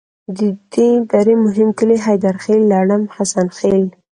د دې درې مهم کلي حیدرخیل، لړم، حسن خیل.